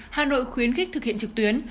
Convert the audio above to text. hà nội khuyến khích thực hiện trực tuyến